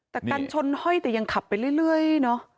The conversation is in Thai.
แต่กันชนห้อยแต่ยังขับไปเรื่อยเนอะ